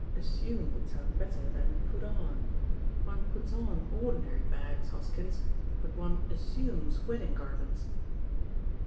'As sume' would sound better than 'put on.' One puts on ordinary bags, Hoskins; but one 'assumes' wed ding garments."